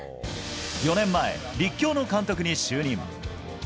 ４年前、立教の監督に就任。